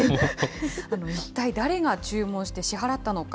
一体誰が注文して支払ったのか。